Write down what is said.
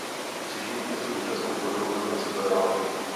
Křižníky se účastnily bojů druhé světové války.